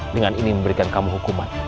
dengan ini memberikan kamu hukuman